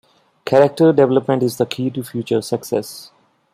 Character development is the key to future success.